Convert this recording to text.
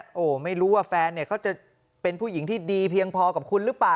โอ้โหไม่รู้ว่าแฟนเนี่ยเขาจะเป็นผู้หญิงที่ดีเพียงพอกับคุณหรือเปล่า